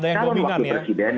sekarang waktu presiden